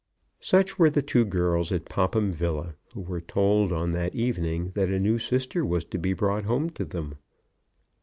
Such were the two girls at Popham Villa who were told on that evening that a new sister was to be brought home to them.